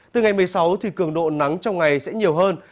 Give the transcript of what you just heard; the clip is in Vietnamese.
từ ngày một mươi sáu cường độ nắng trong ngày sẽ nhiều hơn